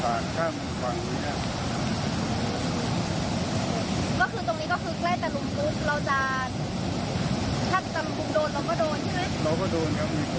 เราก็โดนครับอยู่ตรงนั้น